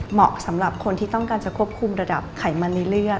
เหมาะสำหรับคนที่ต้องการจะควบคุมระดับไขมันในเลือด